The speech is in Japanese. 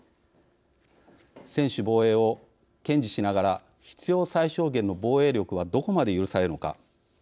「専守防衛」を堅持しながら「必要最小限」の防衛力はどこまで許されるのか。